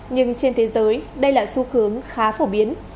nhưng trên thế giới đây là xu hướng khá phổ biến